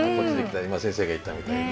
今先生が言ったみたいにね。